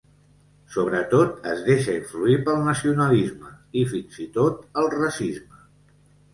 Sobretot es deixa influir pel nacionalisme i fins i tot el racisme.